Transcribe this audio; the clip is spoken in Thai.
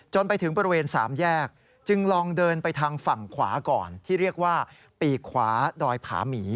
ไปถึงบริเวณสามแยกจึงลองเดินไปทางฝั่งขวาก่อนที่เรียกว่าปีกขวาดอยผาหมี